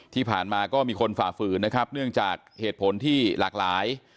ที่ผ่านมาก็มีคนฝ่าฝืนนะครับเนื่องจากเหตุผลที่หลากหลาย